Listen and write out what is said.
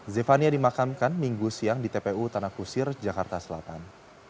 zefania dimakamkan minggu siang di tpu tanah kusir jakarta selatan